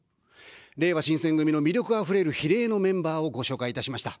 れいわ新選組の魅力あふれる比例のメンバーをご紹介いたしました。